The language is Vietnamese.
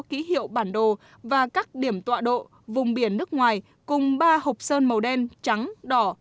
trần phương anh đã giao nộp hai tờ giấy có ký hiệu bản đồ và các điểm tọa độ vùng biển nước ngoài cùng ba hộp sơn màu đen trắng đỏ